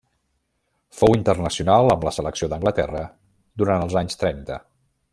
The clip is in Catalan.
Fou internacional amb la selecció d'Anglaterra durant els anys trenta.